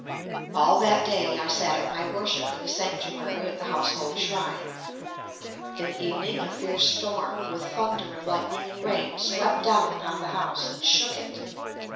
All that day I sat at my worship in the sanctuary at the household shrine. In the evening a fierce storm, with thunder and lightning and rain, swept down upon the house and shook it.